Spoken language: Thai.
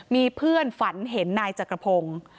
มีเพื่อนฝันเห็นนายจักรพงศ์